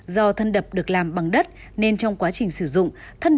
do thân đập được làm bằng đất nên trong quá trình sử dụng